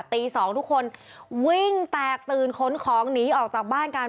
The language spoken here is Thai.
ตี๒ทุกคนวิ่งแตกตื่นขนของหนีออกจากบ้านกัน